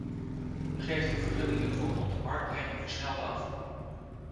U geeft de vergunningen voor het op de markt brengen versneld af.